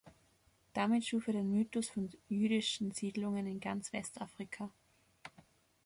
Damit schuf er den Mythos von jüdischen Siedlungen in ganz Westafrika.